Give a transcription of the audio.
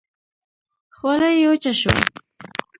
خوله يې وچه شوه.